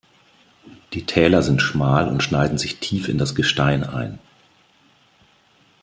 Die Täler sind schmal und schneiden sich tief in das Gestein ein.